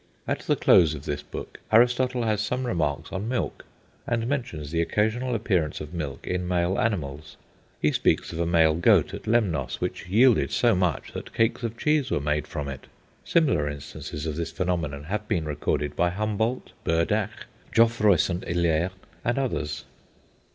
At the close of this book Aristotle has some remarks on milk, and mentions the occasional appearance of milk in male animals. He speaks of a male goat at Lemnos which yielded so much that cakes of cheese were made from it. Similar instances of this phenomenon have been recorded by Humboldt, Burdach, Geoffroy St. Hilaire, and others.